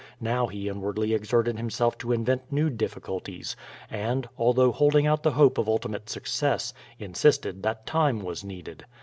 Now he inwardly exerted himself to invent new difficulties, and, although holding out the hope of ultimate success, in sisted that time was needed.